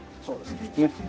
そうですね。